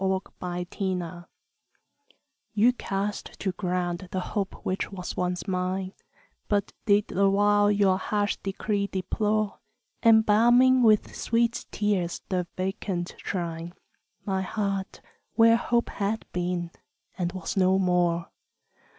XI =Lost Hope= You cast to ground the hope which once was mine, But did the while your harsh decree deplore, Embalming with sweet tears the vacant shrine, My heart, where Hope had been and was no more.